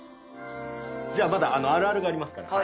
じゃあまだあるあるがありますから。